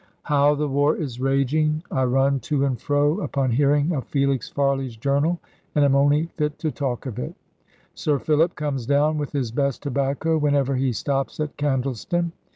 How the war is raging! I run to and fro, upon hearing of Felix Farley's Journal, and am only fit to talk of it. Sir Philip comes down, with his best tobacco, whenever he stops at Candleston.